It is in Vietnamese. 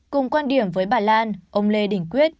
cùng quan điểm với bà lan ông lê đình quyết